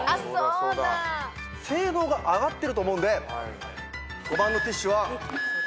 性能が上がってると思うんで５番のティッシュは。